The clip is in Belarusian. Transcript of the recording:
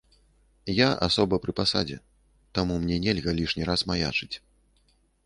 Я асоба пры пасадзе, таму мне нельга лішні раз маячыць.